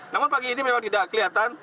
namun pagi ini memang tidak kelihatan